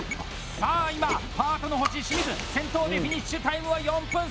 さあ今、パートの星・清水先頭でフィニッシュ！